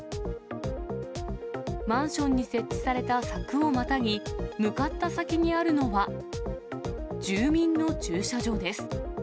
マンションに設置された柵をまたぎ、向かった先にあるのは、住民の駐車場です。